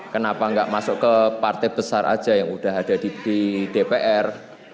kenapa enggak masuk ke partai besar saja yang sudah ada di dpr